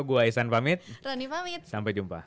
gue aisan pamit roni pamit sampai jumpa